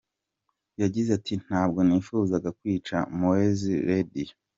Yagize ati “Ntabwo nifuzaga kwica Mowzey Radio.